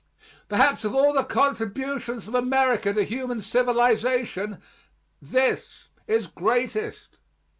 Perhaps of all the contributions of America to human civilization this is greatest.